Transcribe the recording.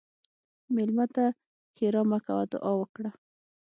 مېلمه ته ښیرا مه کوه، دعا وکړه.